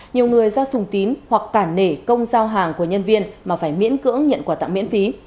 nhiều người do sùng tín hoặc cản nể công giao hàng của nhân viên mà phải miễn cưỡng nhận quà tặng miễn phí